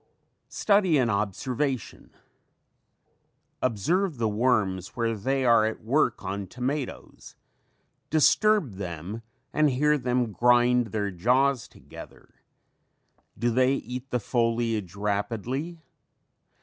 STUDY AND OBSERVATION Observe the worms where they are at work on tomatoes. Disturb them and hear them grind their jaws together. Do they eat the foliage rapidly?